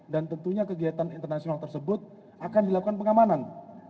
dan tentunya kegiatan internasional tersebut akan dilakukan pengamanan